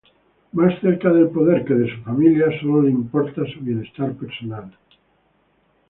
Más cerca del poder que de su familia, sólo le importa su bienestar personal.